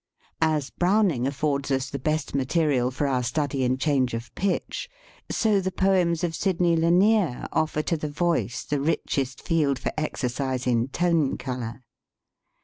As Browning affords us the best material for our study in change of pitch, so the poems of Sidney Lanier offer to the voice the rich est field for exercise in tone color.